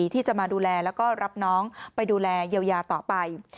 ที่จะมาดูแลแล้วก็รับน้องไปดูแลเยียวยาต่อไป